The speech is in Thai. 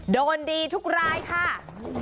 โดนดีทุกรายค่ะ